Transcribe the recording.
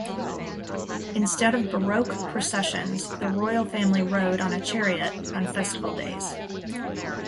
Instead of barque processions, the royal family rode on a chariot on festival days.